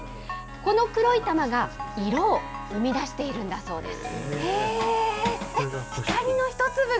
この黒い玉が、色を生み出しているんだそうです。